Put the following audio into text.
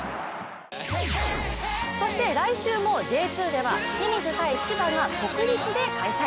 そして来週もＪ２では清水×千葉が国立で開催。